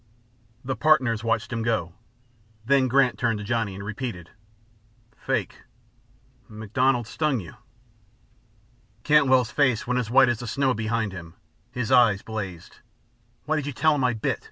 The partners watched him go, then Grant turned to Johnny, and repeated: "Fake! MacDonald stung you." Cantwell's face went as white as the snow behind him, his eyes blazed. "Why did you tell him I bit?"